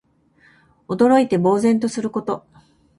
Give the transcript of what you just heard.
驚いて呆然とすること。